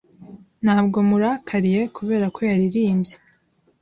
Ntabwo murakariye kubera ko yaririmbye